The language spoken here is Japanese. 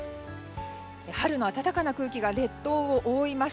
春の暖かな空気が列島を覆います。